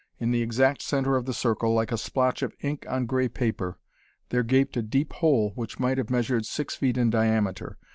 In the exact center of the circle, like a splotch of ink on gray paper, there gaped a deep hole which might have measured six feet in diameter.